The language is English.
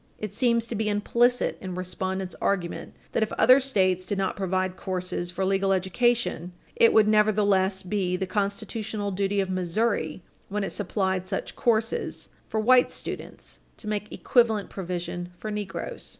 It seems to be implicit in respondents' argument that, if other States did not provide courses for legal education, it would nevertheless be the constitutional duty of Missouri, when it supplied such courses for white students, to make equivalent provision for negroes.